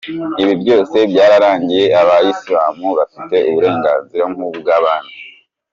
Ibi byose byararangiye, Abayisilamu bafite uburenganzira nk’ubwabandi.